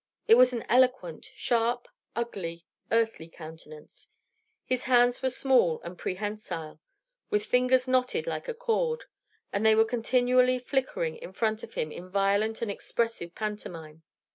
It was an eloquent, sharp, ugly, earthly countenance. His hands were small and prehensile, with fingers knotted like a cord; and they were continually flickering in front of him in violent and expressive pantomime.